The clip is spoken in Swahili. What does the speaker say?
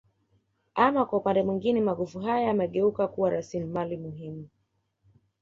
Ama kwa upande mwingine magofu haya yamegeuka kuwa rasilimali muhimu